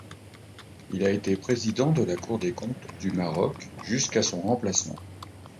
Il a été président de la cour des comptes du Maroc jusqu'à son remplacement.